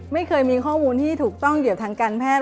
ไม่เคยมีข้อมูลที่ถูกต้องเกี่ยวทางการแพทย์